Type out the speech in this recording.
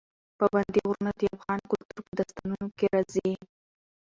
پابندی غرونه د افغان کلتور په داستانونو کې راځي.